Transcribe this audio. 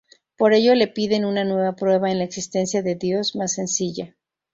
Por ello le piden una nueva prueba de la existencia de Dios más sencilla.